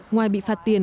ngoài bị phạt tiền